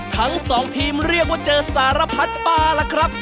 ทั้งสองทีมเรียกว่าเจอสารพัดปลาล่ะครับ